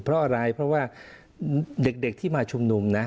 เพราะอะไรเพราะว่าเด็กที่มาชุมนุมนะ